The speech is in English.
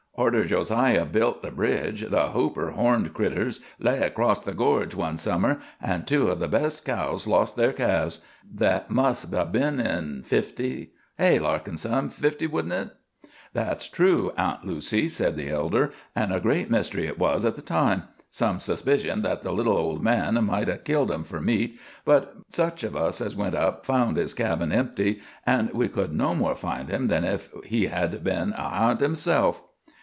Arter Josiah built the bridge, the Hooper horned critters lay across the gorge one summer, an' two o' the best cows lost their calves. That must 'a' been in '50. Hay, Larkin, son '50, wa'n't hit?" "That's true, Aunt Lucy," said the elder; "an' a great mystery hit was at the time. Some suspicioned that the little old man might 'a' killed 'em for meat, but such of us as went up found his cabin empty, an' we could no more find him than if he had been a harnt hisself."